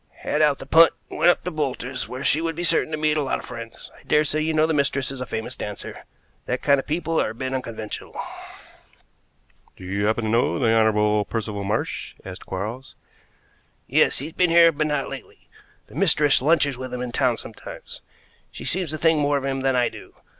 "Had out the punt and went up to Boulter's, where she would be certain to meet a lot of friends. I dare say you know the mistress is a famous dancer. That kind of people are a bit unconventional." "Do you happen to know the Honorable Percival Marsh?" asked Quarles. "Yes. He's been here, but not lately. The mistress lunches with him in town sometimes. She seems to think more of him than I do.